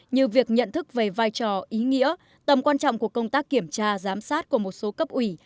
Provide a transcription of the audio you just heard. như việc nhận thức về vai trò ý nghĩa tầm quan trọng của công tác kiểm tra giám sát của một số cấp ủy